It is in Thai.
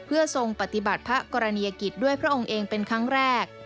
เพื่อทรงปฏิบัติพระกรณียกิจด้วยพระองค์เองเป็นครั้งแรก